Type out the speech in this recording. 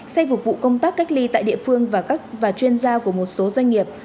xe phục vụ công tác cách ly tại địa phương và chuyên gia của một số doanh nghiệp